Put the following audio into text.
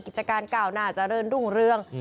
กิจการกล่าวน่าจะเริ่มรุ่งเรื่อง